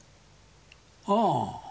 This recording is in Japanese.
ああ。